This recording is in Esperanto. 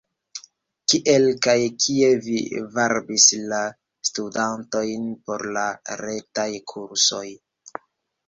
Kiel kaj kie vi varbis la studantojn por la retaj kursoj?